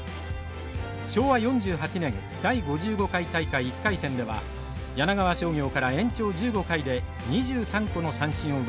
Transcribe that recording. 昭和４８年第５５回大会１回戦では柳川商業から延長１５回で２３個の三振を奪います。